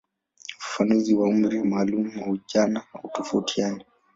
Ufafanuzi wa umri maalumu wa ujana hutofautiana.